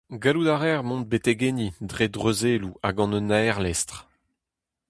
Gallout a reer mont betek enni dre dreuzelloù ha gant un aerlestr.